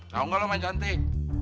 tau gak lu main cantik